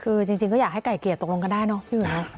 คือจริงก็อยากให้ไก่เกลียดตกลงกันได้เนอะพี่อุ๋ย